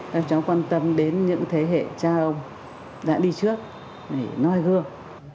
các cháu quan tâm đến những thế hệ cha ông đã đi trước để nói gương